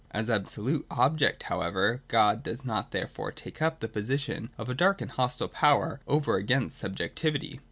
As absolute object however, God does not therefore take up the position of a dark and hostile power over against subjectivity.